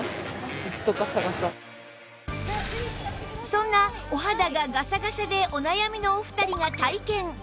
そんなお肌がガサガサでお悩みのお二人が体験